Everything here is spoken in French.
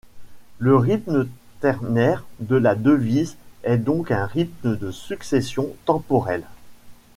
Le rythme ternaire de la devise est donc un rythme de succession temporelle.